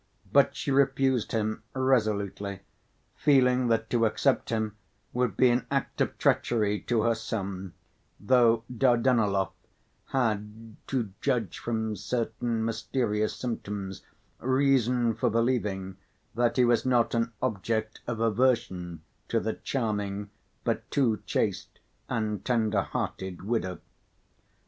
But she refused him resolutely, feeling that to accept him would be an act of treachery to her son, though Dardanelov had, to judge from certain mysterious symptoms, reason for believing that he was not an object of aversion to the charming but too chaste and tender‐hearted widow.